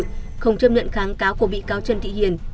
không chấp nhận kháng cáo của bị cáo trần thị hiền